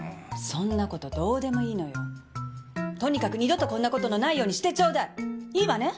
そんなことどうでもいいのよとにかく二度とこんなことのないようにしてちょうだいいいわね！